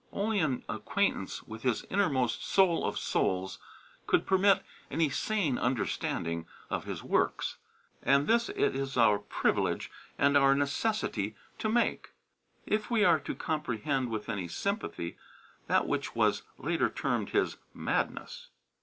Only an acquaintance with his innermost soul of souls could permit any sane understanding of his works, and this it is our privilege, and our necessity, to make, if we are to comprehend with any sympathy that which was later termed his "madness."